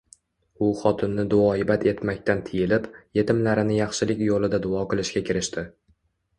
u xotinni duoibad etmakdan tiyilib, yetimlarini yaxshilik yo'lida duo qilishga kirishdi.